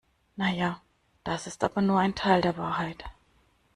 Na ja, das ist aber nur ein Teil der Wahrheit.